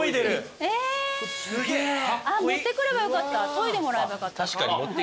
研いでもらえばよかった。